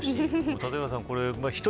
立岩さん